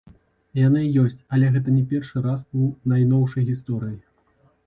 Яны ёсць, але гэта не першы раз у найноўшай гісторыі.